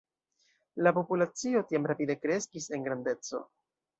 La populacio tiam rapide kreskis en grandeco.